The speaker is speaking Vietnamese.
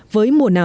với mùa nào